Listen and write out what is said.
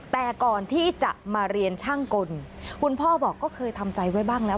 แต่ก่อนที่จะมาเรียนช่างกลคุณพ่อบอกก็เคยทำใจไว้บ้างแล้ว